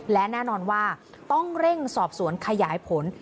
และแน่นอนว่าต้องเร่งสอบสวนขยายผล